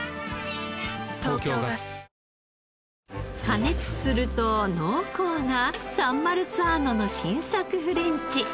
加熱すると濃厚なサンマルツァーノの新作フレンチ。